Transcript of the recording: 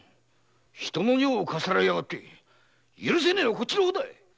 人の女房かっさらいやがって許せねえのはこっちの方だ‼